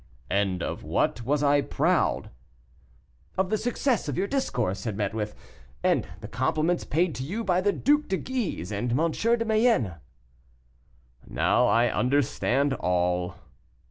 '" "And of what was I proud?" "Of the success your discourse had met with, and the compliments paid to you by the Duc de Guise and M. de Mayenne." "Now I understand all."